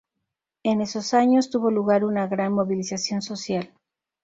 En esos años tuvo lugar una gran movilización social.